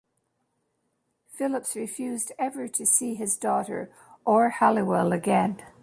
Phillipps refused ever to see his daughter or Halliwell again.